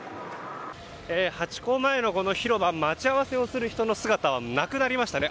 ハチ公前の広場待ち合わせする人の姿はなくなりましたね。